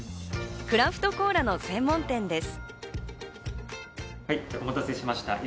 クラフトコーラの専門店です。